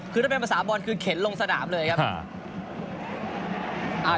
คือถ้าเป็นภาษาบอลคือเข็นลงสนามเลยครับ